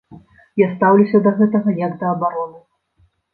Я стаўлюся да гэтага як да абароны.